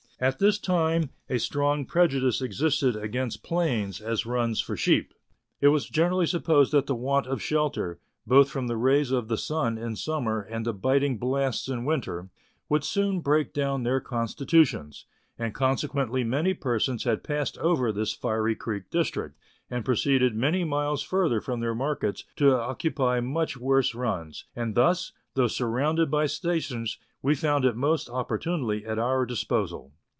At this time a strong prejudice existed against plains as runs for 232 Letters from Victorian Pioneers. sheep. It was generally supposed that the want of shelter, both from the rays of the siin in summer and the biting blasts in winter, "would soon break down their constitutions, and consequently many persons had passed over this Fiery Creek District, and proceeded many miles further from their markets to occupy much worse runs, and thus, though surrounded by stations, we found it most opportunely at our disposal.